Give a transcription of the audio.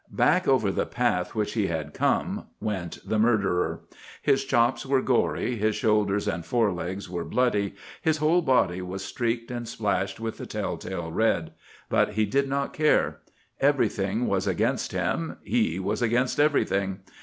Back over the path which he had come went the murderer. His chops were gory, his shoulders and fore legs were bloody, his whole body was streaked and splashed with the telltale red. But he did not care. Everything was against him, he was against everything.